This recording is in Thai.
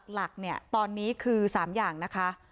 หลักตอนนี้คือ๓อย่างนะคะ